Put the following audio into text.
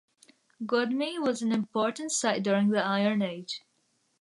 Gudme was an important site during the Iron Age.